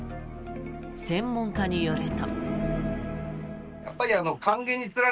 専門家によると。